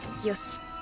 よし。